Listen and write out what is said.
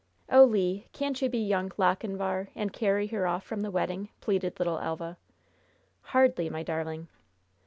"Oh, Le! can't you be Young Lochinvar and carry her off from the wedding?" pleaded little Elva. "Hardly, my darling!